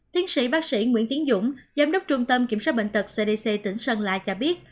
thiên sĩ bác sĩ nguyễn tiến dũng giám đốc trung tâm kiểm soát bệnh tật cdc tỉnh sơn la cho biết